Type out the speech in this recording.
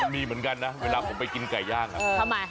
มีเหมือนกันนะเวลาผมไปกินไก่ย่างทำไม